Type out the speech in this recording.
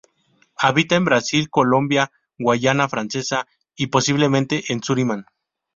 Habita en Brasil, Colombia, Guayana Francesa y posiblemente en Surinam.